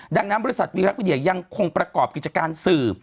ดังนั้นบริษัทวิทยาลักษณ์วิทยาลัยยังคงประกอบกิจการสื่อ